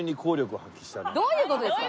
どういう事ですか？